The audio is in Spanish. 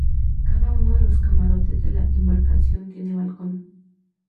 Cada uno de los camarotes de la embarcación tiene balcón.